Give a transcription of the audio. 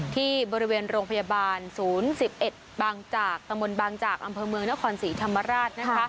ที่บริเวณโรงพยาบาล๐๑๑บางจากตะมนต์บางจากอำเภอเมืองนครศรีธรรมราช